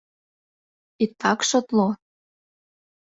Итак шотло!